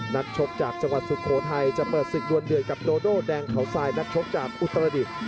นักชกจากจังหวัดสุโขทัยจะเปิดศึกดวนเดือดกับโดโดแดงเขาทรายนักชกจากอุตรดิษฐ์